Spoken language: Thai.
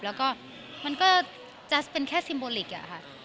แล้วก็มันก็จะเป็นแค่ซิมโบลิกอะค่ะ